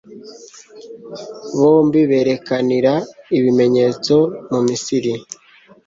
Bombi berekanira ibimenyetso mu Misiri